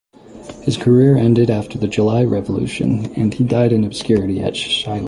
His career ended after the July Revolution, and he died in obscurity at Chaillot.